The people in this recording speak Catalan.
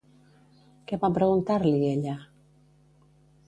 Què va preguntar-li, ella?